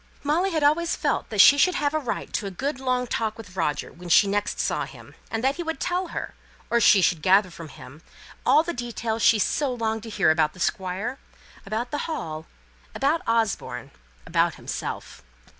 Molly had always felt that she should have a right to a good long talk with Roger when she next saw him; and that he would tell her, or she should gather from him all the details she so longed to hear about the Squire about the Hall about Osborne about himself.